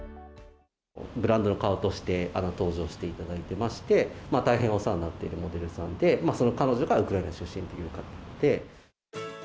ブランドの顔として登場していただいてまして、大変お世話になってるモデルさんで、その彼女がウクライナ出身という形で。